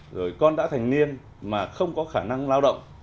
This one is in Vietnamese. rồi con đã thành niên mà không có khả năng lao động